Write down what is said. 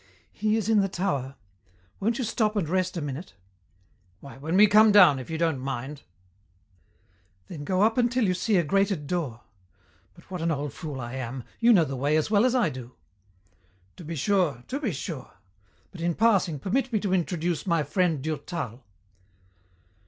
"He is in the tower. Won't you stop and rest a minute?" "Why, when we come down, if you don't mind." "Then go up until you see a grated door but what an old fool I am! You know the way as well as I do." "To be sure, to be sure.... But, in passing, permit me to introduce my friend Durtal."